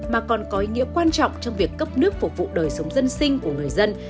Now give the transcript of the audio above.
mà còn có ý nghĩa quan trọng trong việc cấp nước phục vụ đời sống dân sinh của người dân